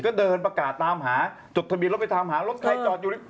ก็เดินประกาศตามหาจดทะเบียนรถไปถามหารถใครจอดอยู่